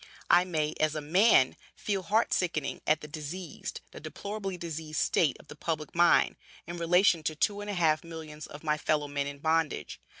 I may, as a man, feel heart sickened at the diseased, the deplorably diseased state of the public mind, in relation to two and a half millions of my fellow men in bondage.